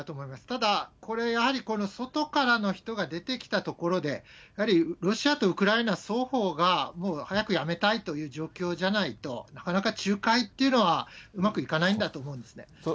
ただ、これやはり、外からの人が出てきたところで、やはりロシアとウクライナ双方が早くやめたいという状況じゃないと、なかなか仲介っていうのは、うまくいかないんだと思うんですね。